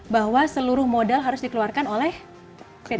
bahwa seluruh modal harus dikeluarkan oleh pt kcn